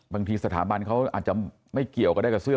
พฤติการเขาอาจจะไม่เกี่ยวก็ได้กับเสื้อ